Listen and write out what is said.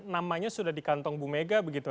namanya sudah di kantong bu mega begitu